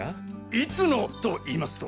いつのといいますと？